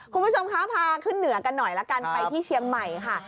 คุณผู้ชมคะพาขึ้นเหนือกันหน่อยละกันไปที่เชียงใหม่ค่ะ